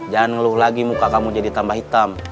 jangan ngeluh lagi muka kamu jadi tambah hitam